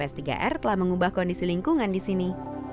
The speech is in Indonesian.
dan kehadiran tps tiga r telah mengubah kondisi lingkungan di sini